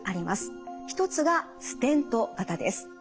一つがステント型です。